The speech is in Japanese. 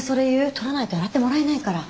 取らないと洗ってもらえないから。